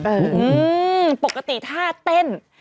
หือปกติภาพเต้น